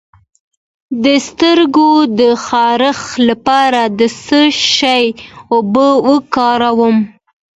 د سترګو د خارښ لپاره د څه شي اوبه وکاروم؟